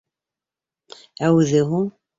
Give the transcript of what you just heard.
Ә үҙе һуң?